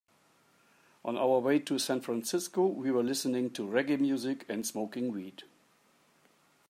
On our way to San Francisco, we were listening to reggae music and smoking weed.